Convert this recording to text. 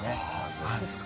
そうですか。